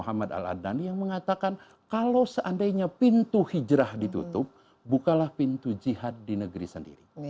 muhammad al adani yang mengatakan kalau seandainya pintu hijrah ditutup bukalah pintu jihad di negeri sendiri